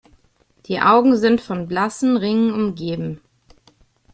Die Augen sind von blassen Ringen umgeben.